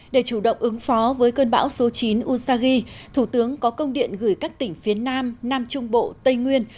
để chủ động ứng phó với cơn bão số chín usagi thủ tướng có công điện gửi các tỉnh phía nam nam trung bộ tây nguyên